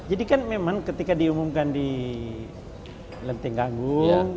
jadi kan memang ketika diumumkan di lenteng ganggung